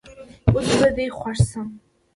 اوس به دي خوښ سم